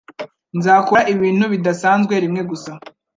Nzakora ibintu bidasanzwe rimwe gusa.